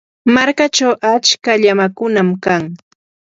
markachaw achka llamakunam kan.